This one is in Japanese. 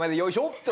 って。